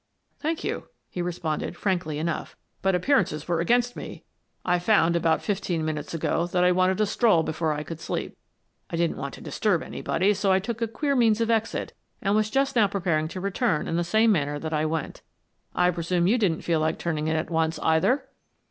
"Thank you," he responded, frankly enough, " but appearances were against me. I found, about fifteen minutes ago, that I wanted a stroll before I could sleep. I didn't want to disturb anybody, so I took a queer means of exit and was just now preparing to return in the same manner that I went. I presume you didn't feel like turning in at once, either?